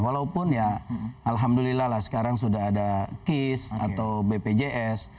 walaupun ya alhamdulillah lah sekarang sudah ada kis atau bpjs